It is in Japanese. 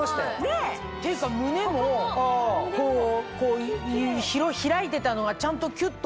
っていうか胸も開いてたのがちゃんとキュっと。